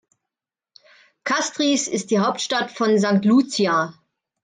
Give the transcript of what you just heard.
Castries ist die Hauptstadt von St. Lucia.